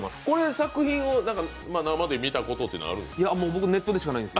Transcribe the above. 作品を生で見たことってあるんですか？